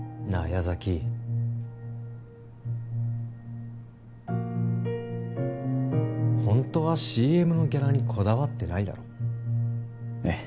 矢崎ホントはＣＭのギャラにこだわってないだろえっ？